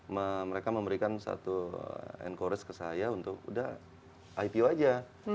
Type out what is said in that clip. mereka memberikan satu encourage ke saya untuk udah ipo aja